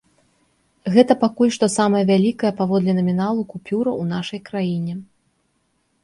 Гэта пакуль што самая вялікая паводле наміналу купюра ў нашай краіне.